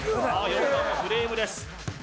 ４番もフレームです